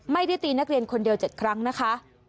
ไม่ได้ตีนักเรียนคนเดียว๗ครั้งนะคะ